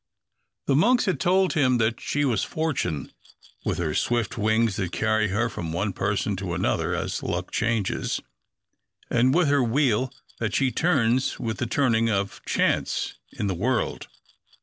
The Monks had told him that she was Fortune, with her swift wings that carry her from one person to another, as luck changes, and with her wheel that she turns with the turning of chance in the world.